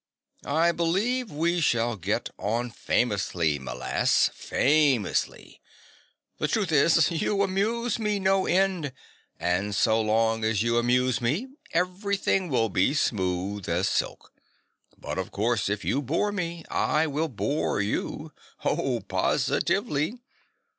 "I believe we shall get on famously, m'lass, famously. The truth is, you amuse me no end and so long as you amuse me everything will be smooth as silk. But of course, if you bore me, I will bore you. Oh, positively!"